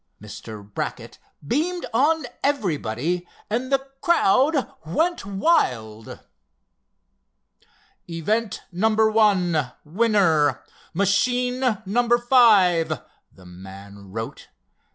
Mr. Brackett beamed on everybody, and the crowd went wild. "Event No. 1—Winner, Machine number five," the man wrote.